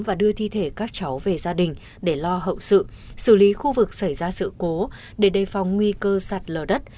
và đưa thi thể các cháu về gia đình để lo hậu sự xử lý khu vực xảy ra sự cố để đề phòng nguy cơ sạt lở đất